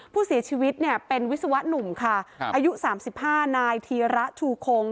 ผู้เสียชีวิตเนี่ยเป็นวิศวะหนุ่มค่ะอายุ๓๕นายธีระชูคง